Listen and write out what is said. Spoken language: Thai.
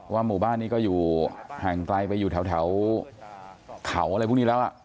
หมู่บ้านนี้ก็อยู่ห่างไกลไปอยู่แถวเขาอะไรพวกนี้แล้ว